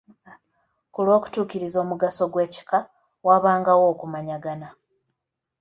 "Ku lw’okutuukiriza omugaso gw'ekika, waabangawo okumanyagana."